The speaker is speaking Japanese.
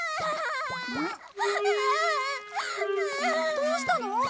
どうしたの？